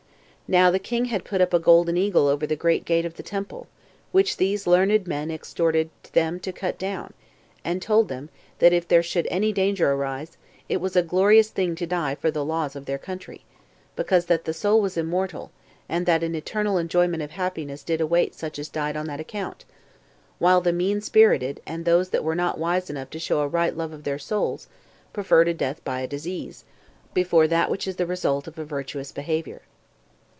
Now the king had put up a golden eagle over the great gate of the temple, which these learned men exhorted them to cut down; and told them, that if there should any danger arise, it was a glorious thing to die for the laws of their country; because that the soul was immortal, and that an eternal enjoyment of happiness did await such as died on that account; while the mean spirited, and those that were not wise enough to show a right love of their souls, preferred a death by a disease, before that which is the result of a virtuous behavior.